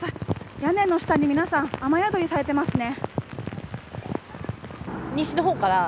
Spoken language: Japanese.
屋根の下で皆さん雨宿りされていますね。